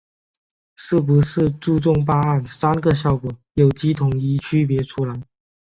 是不是注重办案‘三个效果’有机统一区别出来